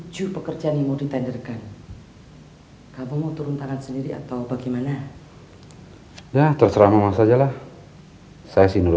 sekarang kita ambil air wudhu